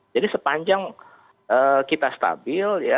jadi sepanjang kita stabil